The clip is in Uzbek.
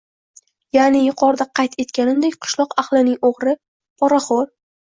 Ya`ni, yuqorida qayd etganimdek, qishloq ahlining o`g`ri, poraxo`r